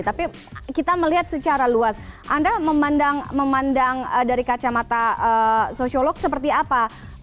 tapi kita melihat secara luas anda memandang dari kacamata sosiolog seperti apa